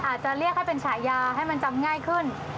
อาจจะเรียกให้เป็นฉายาให้มันจำง่ายขึ้น